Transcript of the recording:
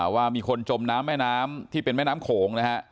ว่ามีคนจมน้ำแม่น้ำที่เป็นแม่น้ำโขงนะฮะ